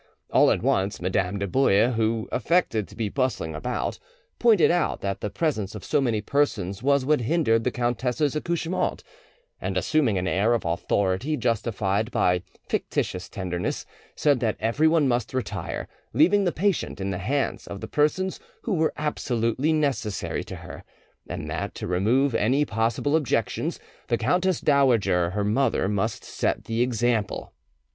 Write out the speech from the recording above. All at once, Madame de Boulle, who affected to be bustling about, pointed out that the presence of so many persons was what hindered the countess's accouchement, and, assuming an air of authority justified by fictitious tenderness, said that everyone must retire, leaving the patient in the hands of the persons who were absolutely necessary to her, and that, to remove any possible objections, the countess dowager her mother must set the example.